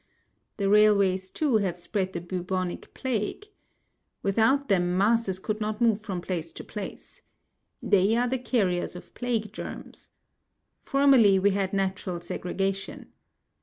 The railways, too, have spread the bubonic plague. Without them, masses could not move from place to place. They are the carriers of plague germs. Formerly we had natural segregation.